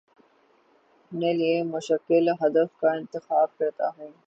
اپنے لیے مشکل ہدف کا انتخاب کرتا ہوں